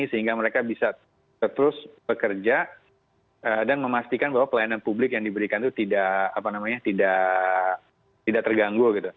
sehingga mereka bisa terus bekerja dan memastikan bahwa pelayanan publik yang diberikan itu tidak terganggu